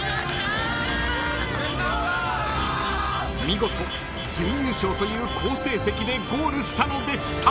［見事準優勝という好成績でゴールしたのでした］